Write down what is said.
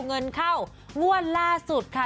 เงินเข้างวดล่าสุดค่ะ